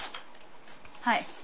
はい。